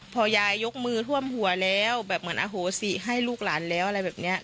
พอยายยกมือท่วมหัวแล้วแบบเหมือนอโหสิให้ลูกหลานแล้วอะไรแบบนี้